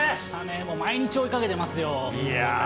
もう毎日追いかけてますよ。